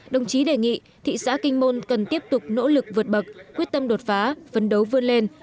đồng chí đề nghị thị xã kinh môn cần tiếp tục nỗ lực vượt bậc quyết tâm đột phá phấn đấu vươn lên